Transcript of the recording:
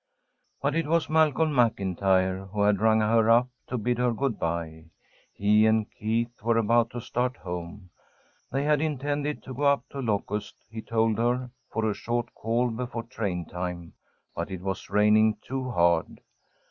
But it was Malcolm MacIntyre who had rung her up, to bid her good bye. He and Keith were about to start home. They had intended to go up to Locust, he told her, for a short call before train time, but it was raining too hard.